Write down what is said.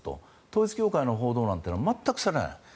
統一教会の報道なんてのは全くされない。